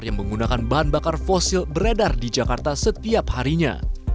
yang menggunakan bahan bakar fosil beredar di jakarta setiap harinya